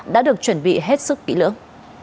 đã được chuẩn bị hết sức kỹ lưỡng